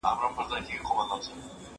که وخت وي، مېوې وچوم!؟